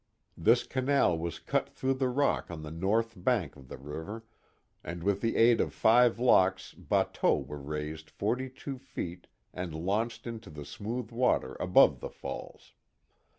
This canal was cut through the rock on the north bank of the river, and with the aid of five locks bateaux were raised 42 feet and launched into the smooth water above the falls.